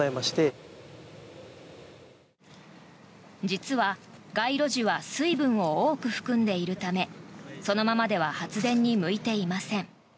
実は街路樹は水分を多く含んでいるためそのままでは発電に向いていません。